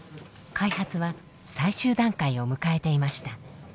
開発は最終段階を迎えていました。